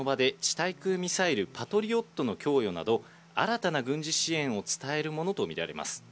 対空ミサイルパトリオットの供与など、新たな軍事支援を伝えるものとみられます。